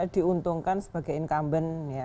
diuntungkan sebagai incumbent